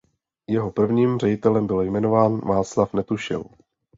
Jeho prvním ředitelem byl jmenován Václav Netušil.